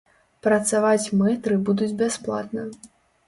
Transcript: Працаваць мэтры будуць бясплатна.